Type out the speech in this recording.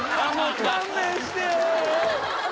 勘弁して。